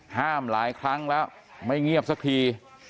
ห้ามหลายครั้งแล้วไม่เงียบสักที